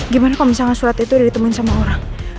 gimana kalau misalnya surat itu udah ditemen sama orang